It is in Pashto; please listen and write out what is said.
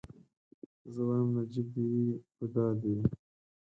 زه وايم نجيب دي وي په دار دي وي